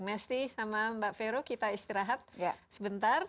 mesty sama mbak vero kita istirahat sebentar